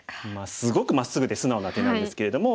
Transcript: すごくまっすぐで素直な手なんですけれども。